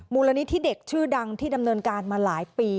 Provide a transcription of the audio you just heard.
มูลนิธิเด็กชื่อดังที่ดำเนินการมาหลายปี